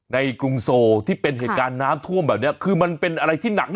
กรุงโซที่เป็นเหตุการณ์น้ำท่วมแบบนี้คือมันเป็นอะไรที่หนัก